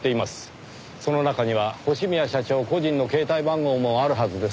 その中には星宮社長個人の携帯番号もあるはずです。